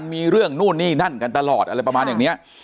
มีเรื่องนู่นนี่นั่นกันตลอดอะไรประมาณอย่างนี้